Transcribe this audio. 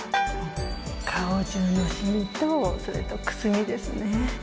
顔じゅうのシミとそれとくすみですね。